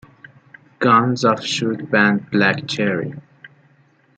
Guns offshoot band Black Cherry.